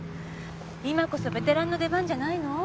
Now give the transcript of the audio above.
今こそベテランの出番じゃないの？